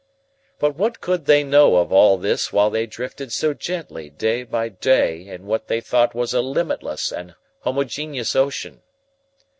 But what could they know of all this while they drifted so gently day by day in what they thought was a limitless and homogeneous ocean?